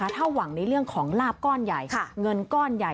ถ้าหวังในเรื่องของลาบก้อนใหญ่เงินก้อนใหญ่